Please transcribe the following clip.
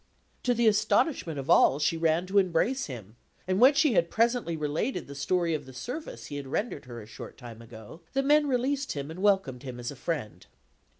To the astonishment of all she ran to embrace him; and when she had presently related the story of the service he had rendered her a short time ago, the men released him and welcomed him as a friend.